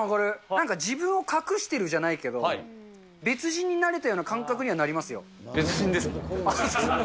なんか、自分を隠してるじゃないけども、別人になれたような感覚にはなり別人ですもん。